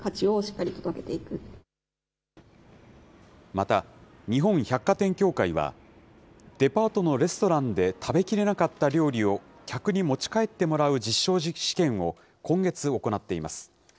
また、日本百貨店協会は、デパートのレストランで食べきれなかった料理を客に持ち帰ってもらう実証試験を今月、行っています。